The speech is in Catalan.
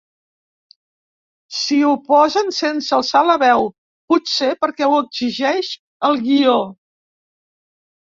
S'hi oposen sense alçar la veu, potser perquè ho exigeix el guió.